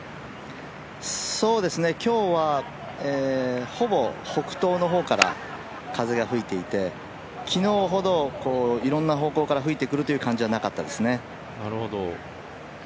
今日は、ほぼ北東の方から風が吹いていて、昨日ほど、いろんな方向から吹いてくる感じはなかったですね。